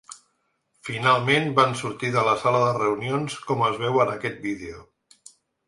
Finalment van sortir de la sala de reunions, com es veu en aquest vídeo.